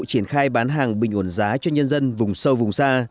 triển khai bán hàng bình ổn giá cho nhân dân vùng sâu vùng xa